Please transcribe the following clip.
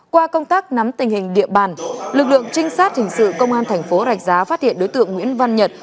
qua công tác nắm tình hình địa bàn lực lượng trinh sát hình sự công an thành phố rạch giá phát hiện đối tượng nguyễn văn nhật